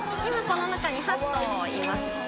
今この中に８頭います。